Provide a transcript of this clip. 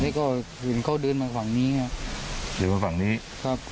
นี่ก็ถึงเขาเดินมาฝังนี้ครับเดินมาฝังนี้ครับ